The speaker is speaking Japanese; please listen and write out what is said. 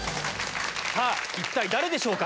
さぁ一体誰でしょうか？